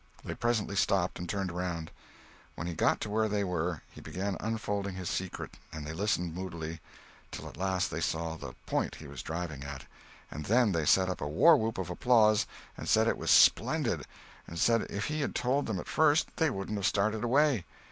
They presently stopped and turned around. When he got to where they were, he began unfolding his secret, and they listened moodily till at last they saw the "point" he was driving at, and then they set up a warwhoop of applause and said it was "splendid!" and said if he had told them at first, they wouldn't have started away.